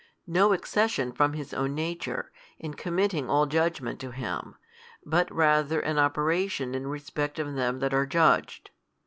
No accession from His Own Nature, in committing all judgment to Him, but rather an operation in respect of them that are judged.